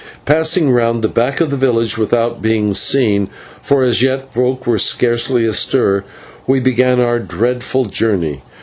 Passing round the back of the village without being seen, for as yet folk were scarcely astir, we began our dreadful journey.